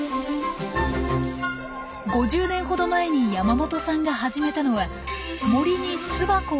５０年ほど前に山本さんが始めたのは森に巣箱をかけることでした。